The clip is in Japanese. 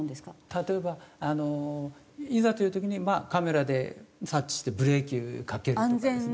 例えばいざという時にカメラで察知してブレーキかけるとかですね。